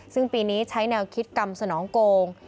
ซึ่งปีนี้ใช้แนวคิดกรรมสนองโกง